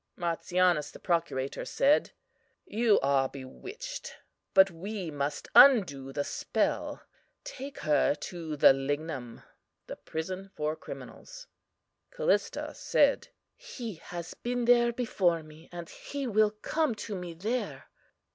"MARTIANUS, the procurator, said: You are bewitched; but we must undo the spell. Take her to the Lignum (the prison for criminals). "CALLISTA said: He has been there before me, and He will come to me there.